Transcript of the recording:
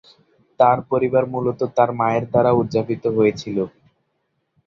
তার পরিবার মূলত তার মায়ের দ্বারা উত্থাপিত হয়েছিল।